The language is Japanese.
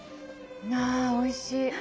あおいしい。